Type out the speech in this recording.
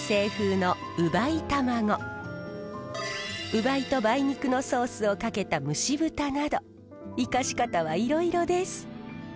烏梅と梅肉のソースをかけた蒸し豚など生かし方はいろいろです。